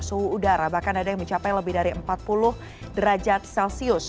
suhu udara bahkan ada yang mencapai lebih dari empat puluh derajat celcius